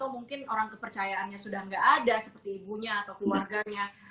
mungkin orang kepercayaannya sudah tidak ada seperti ibunya atau keluarganya